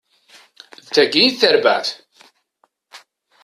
D tagi i d tarbaɛt!